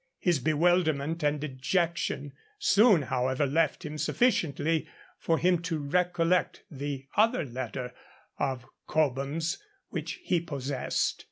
His bewilderment and dejection soon, however, left him sufficiently for him to recollect the other letter of Cobham's which he possessed.